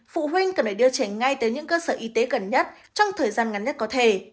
phụ huynh cần phải đưa trẻ ngay tới những cơ sở y tế gần nhất trong thời gian ngắn nhất có thể